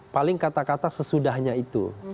paling kata kata sesudahnya itu